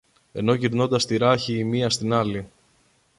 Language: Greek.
ενώ γυρνώντας τη ράχη η μια στην άλλη